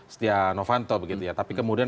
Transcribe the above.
setia novanto begitu ya tapi kemudian